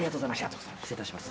失礼いたします。